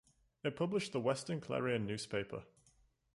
It published the "Western Clarion" newspaper.